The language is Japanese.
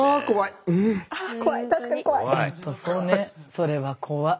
それは怖い。